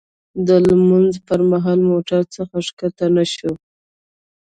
د لمانځه پر مهال موټر څخه ښکته نه شوو.